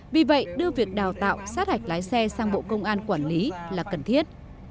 vì vậy đưa việc đào tạo sát hạch lái xe sang bộ công an quản lý là cần thiết